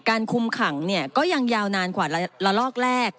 การคุมขังเนี่ยก็ยังยาวนานกว่าละลอกแรก